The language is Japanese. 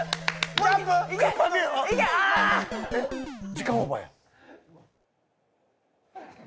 時間オーバーや。